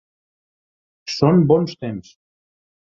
Són bons temps.